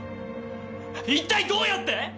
一体どうやって！？